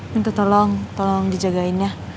minta tolong tolong dijagainya